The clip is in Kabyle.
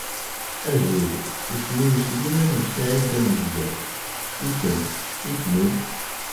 Azul. Isem-iw Sliman u Saɛid Amezdat. I kemm isem-im?